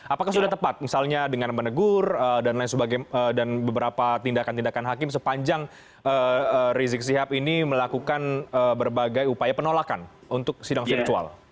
apakah sudah tepat misalnya dengan menegur dan beberapa tindakan tindakan hakim sepanjang rizik sihab ini melakukan berbagai upaya penolakan untuk sidang virtual